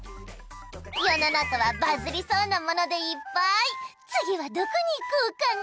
世の中はバズりそうなものでいっぱい次はどこに行こうかな？